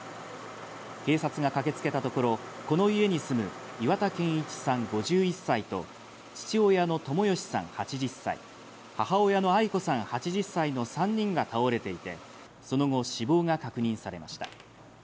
警察が駆けつけたところ、この家に住む、岩田健一さん５１歳と父親の友義さん８０歳、母親のアイ子さん８０歳の３人が倒れていて、その後、死亡が確認されました。